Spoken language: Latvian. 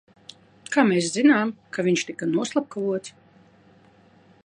Kā mēs zinām, ka viņš tika noslepkavots?